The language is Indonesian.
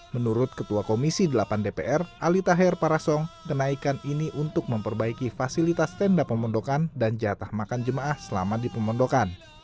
menurut ketua komisi delapan dpr alitahir parasong kenaikan ini untuk memperbaiki fasilitas tenda pemondokan dan jatah makan jemaah selama di pemondokan